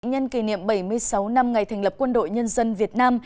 nhân kỷ niệm bảy mươi sáu năm ngày thành lập quân đội nhân dân việt nam